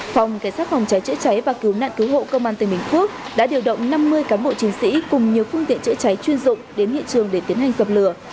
phòng cảnh sát phòng cháy chữa cháy và cứu nạn cứu hộ công an tỉnh bình phước đã điều động năm mươi cán bộ chiến sĩ cùng nhiều phương tiện chữa cháy chuyên dụng đến hiện trường để tiến hành dập lửa